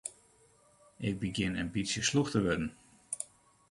Ik begjin in bytsje slûch te wurden.